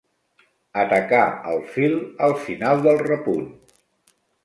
Atacar el fil al final del repunt.